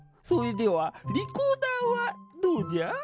それでは「リコーダー」はどうじゃ？